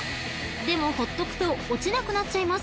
［でもほっとくと落ちなくなっちゃいます］